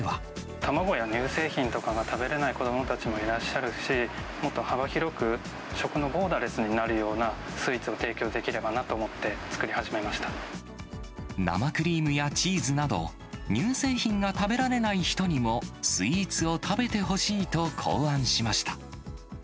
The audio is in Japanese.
卵や乳製品とかが食べれない子どもたちもいらっしゃるし、もっと幅広く食のボーダレスになるようなスイーツを提供できれば生クリームやチーズなど、乳製品が食べられない人にも、スイーツを食べてほしいと考案しました。